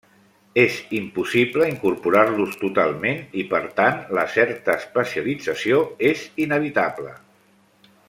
És impossible incorporar-los totalment i per tant, la certa especialització és inevitable.